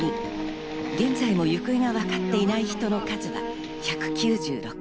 現在も行方がわかっていない人の数が１９６人。